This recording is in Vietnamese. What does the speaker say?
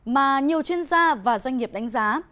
mà nhiều chuyên gia và doanh nghiệp đánh giá